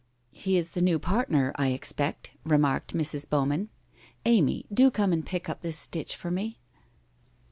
'He u iln: new partner, I expect,' remarked Mrs. Bowman. ' Amy, do come and pick up this stitch for me.'